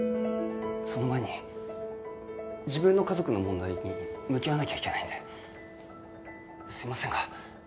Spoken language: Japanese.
その前に自分の家族の問題に向き合わなきゃいけないんですいませんがそれまで待ってもらえますか？